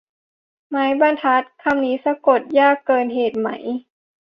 ไม้บรรทัด คำนี้สะกดยากเกินเหตุไหม